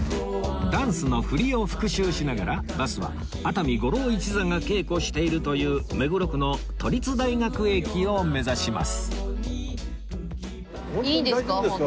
ダンスの振りを復習しながらバスは熱海五郎一座が稽古しているという目黒区の都立大学駅を目指します